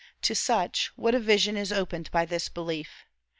To such, what a vision is opened by this belief!